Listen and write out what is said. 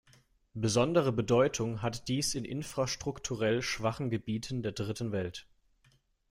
Besondere Bedeutung hat dies in infrastrukturell schwachen Gebieten der Dritten Welt.